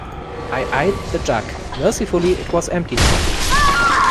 I eyed the jug. Mercifully, it was empty now.